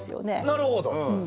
なるほど。